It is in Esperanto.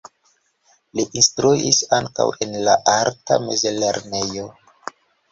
Li instruis ankaŭ en arta mezlernejo.